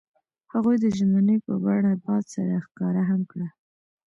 هغوی د ژمنې په بڼه باد سره ښکاره هم کړه.